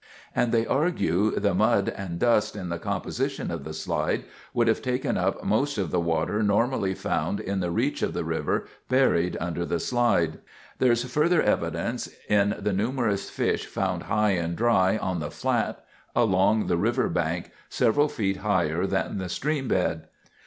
And they argue, the mud and dust in the composition of the slide would have taken up most of the water normally found in the reach of the river buried under the slide. There's further evidence in the numerous fish found high and dry on the flat along the river bank several feet higher than the streambed.